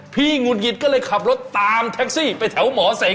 หงุดหงิดก็เลยขับรถตามแท็กซี่ไปแถวหมอเสง